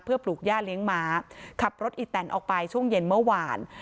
เพื่อปลูกย่าเลี้ยงม้าขับรถอีแตนออกไปช่วงเย็นเมื่อวาน